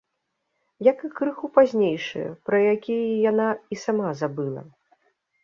Як і крыху пазнейшыя, пра якія яна і сама забыла.